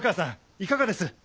いかがです？